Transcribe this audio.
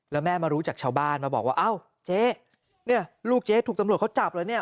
แล้วแม่มารู้จากชาวบ้านมาบอกว่าเจ๊ลูกเจ๊ถูกตำรวจเขาจับเลย